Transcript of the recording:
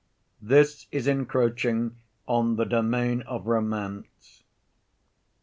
This is encroaching on the domain of romance.